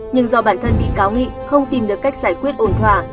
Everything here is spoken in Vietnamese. nhưng do bản thân bị cáo nghị không tìm được cách giải quyết ổn thỏa